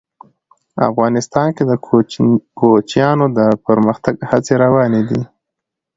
افغانستان کې د کوچیانو د پرمختګ هڅې روانې دي.